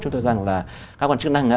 cho tôi rằng là các quan chức năng